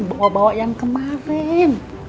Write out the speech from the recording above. bawa bawa yang kemarin